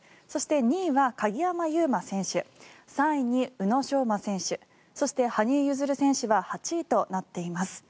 そして、２位は鍵山優真選手３位に宇野昌磨選手そして、羽生結弦選手は８位となっています。